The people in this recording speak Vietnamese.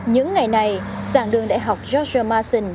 những ngày này giảng đường đại học joshua mason